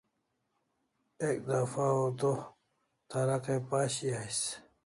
Ek dafa a to tara kai pashi ais